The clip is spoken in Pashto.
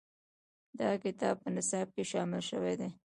دا کتاب په نصاب کې شامل شوی دی.